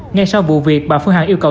ngay sau vụ việc bà phương hằng yêu cầu